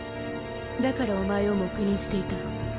だからおまえを黙認していた。